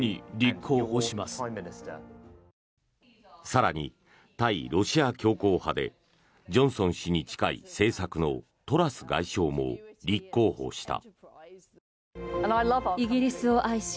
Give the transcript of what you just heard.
更に、対ロシア強硬派でジョンソン氏に近い政策のトラス外相も立候補した。